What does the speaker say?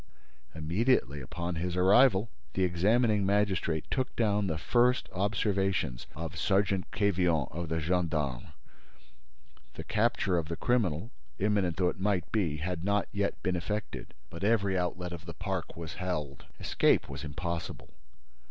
Immediately upon his arrival, the examining magistrate took down the first observations of Sergeant Quevillon of the gendarmes. The capture of the criminal, imminent though it might be, had not yet been effected, but every outlet of the park was held. Escape was impossible.